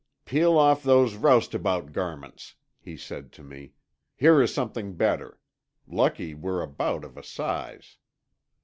"Peel off those roustabout garments," he said to me. "Here is something better. Lucky we're about of a size."